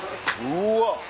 うわ。